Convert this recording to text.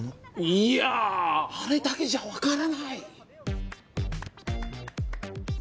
いやあれだけじゃ分からない。